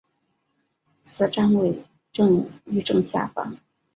此站位于正下方。